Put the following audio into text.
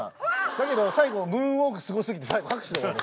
だけど最後ムーンウォークすご過ぎて最後拍手で終わる。